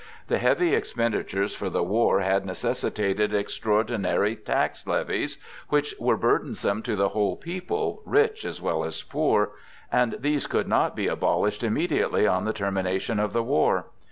The heavy expenditures for the war had necessitated extraordinary tax levies which were burdensome to the whole people, rich as well as poor, and these could not be abolished immediately on the termination of the war.